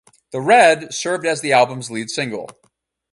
"The Red" served as the album's lead single.